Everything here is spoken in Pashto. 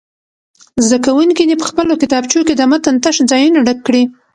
زده کوونکي دې په خپلو کتابچو کې د متن تش ځایونه ډک کړي.